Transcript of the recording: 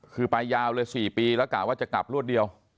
คือไปยาวเลย๔ปีแล้วกะว่าจะกลับรวดเดียว